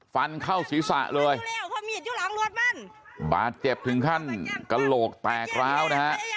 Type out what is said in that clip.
ฟันเข้าศีรษะเลยบาดเจ็บถึงขั้นกระโหลกแตกแล้วนะฮะ